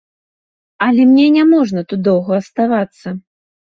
Але мне няможна тут доўга аставацца.